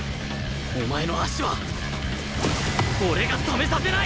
お前の足は俺が止めさせない！